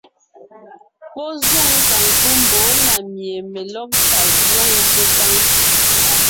Pɔ́ zoŋ tà ńkú mbɔ̌ na mie melɔ́gtà zǒŋ kékáŋ.